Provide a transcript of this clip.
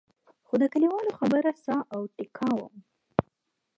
خو د کلیوالو خبره ساه او ټیکا وم.